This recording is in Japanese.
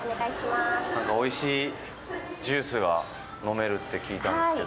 なんか、おいしいジュースが飲めるって聞いたんですけど。